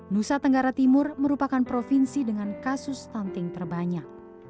nusa tenggara timur merupakan provinsi dengan kasus stunting terbanyak